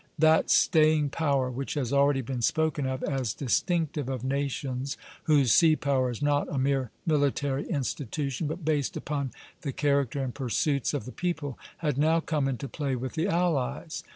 That staying power, which has already been spoken of as distinctive of nations whose sea power is not a mere military institution, but based upon the character and pursuits of the people, had now come into play with the allies.